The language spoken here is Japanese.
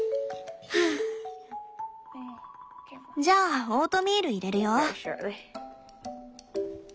じゃあオートミール入れるよ。